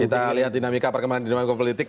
kita lihat dinamika perkembangan dinamika politik